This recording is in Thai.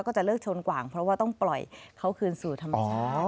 ก็จะเลิกชนกว่างเพราะว่าต้องปล่อยเขาคืนสู่ธรรมชาติ